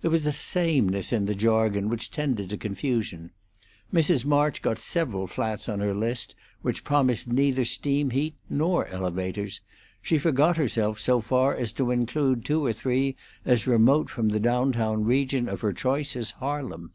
There was a sameness in the jargon which tended to confusion. Mrs. March got several flats on her list which promised neither steam heat nor elevators; she forgot herself so far as to include two or three as remote from the down town region of her choice as Harlem.